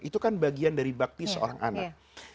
itu kan bagian dari bakti seorang anak